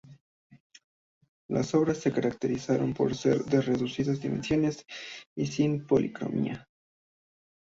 Las obras se caracterizaron por ser de reducidas dimensiones y sin policromía.